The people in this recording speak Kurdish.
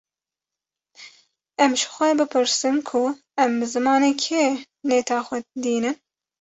Em ji xwe bipirsin ku em bi zimanê kê nêta xwe dînin